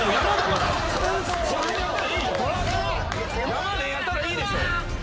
山でやったらいいでしょ。